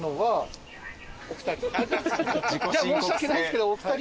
じゃあ申し訳ないですけどお二人。